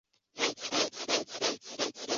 弗洛斯是德国巴伐利亚州的一个市镇。